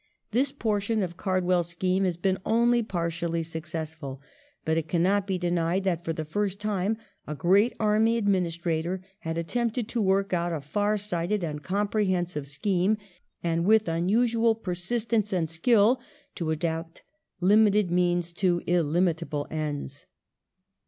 This portion of Card well's scheme has been only pai tially successful, but it cannot be denied that for the first time a great Army administrator had attempted to work out a far sighted and comprehensive scheme, and with unusual persistence and skill to adapt limited means to illimitable ends.